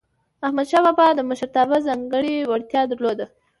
احمدشاه بابا د مشرتابه ځانګړی وړتیا درلودله.